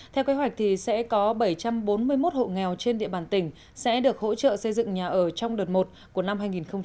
theo kế hoạch sẽ có bảy trăm bốn mươi một hộ nghèo trên địa bàn tỉnh sẽ được hỗ trợ xây dựng nhà ở trong đợt một của năm hai nghìn hai mươi